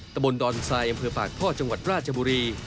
ตะบนดอนทรายอำเภอปากท่อจังหวัดราชบุรี